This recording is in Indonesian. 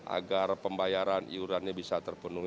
agar pembayaran iurannya bisa terpenuhi